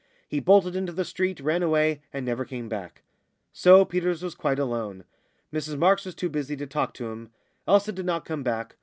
He bolted into the street, ran away, and never came back. So Peters was quite alone. Mrs Marks was too busy to talk to him. Elsa did not come back.